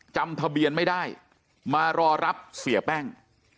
จำทะเบียนไม่ได้มารอรับเสียแป้ง